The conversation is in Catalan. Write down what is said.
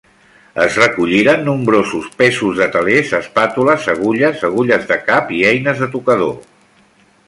Es recolliren nombrosos pesos de telers, espàtules, agulles, agulles de cap i eines de tocador.